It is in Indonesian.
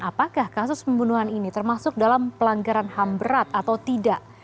apakah kasus pembunuhan ini termasuk dalam pelanggaran ham berat atau tidak